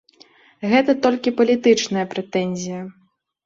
Гэта толькі палітычная прэтэнзія.